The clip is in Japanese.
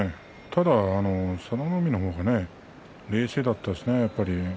ただ佐田の海の方が冷静だったですね、やっぱり。